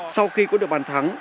sau khi có được bàn thắng